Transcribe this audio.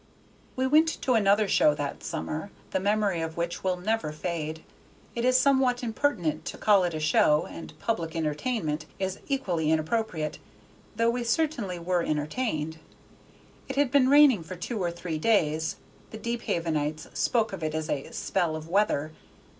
We went to another show that summer, the memory of which will never fade. It is somewhat impertinent to call it a show, and "public entertainment" is equally inappropriate, though we certainly were entertained. It had been raining for two or three days; the Deephavenites spoke of it as "a spell of weather."